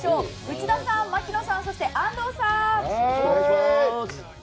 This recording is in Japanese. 内田さん、槙野さんそして安藤さん！